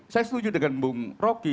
saya setuju dengan bung rocky